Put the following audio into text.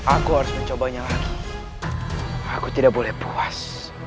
aku harus mencobanya lagi aku tidak boleh puas